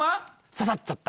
刺さっちゃった。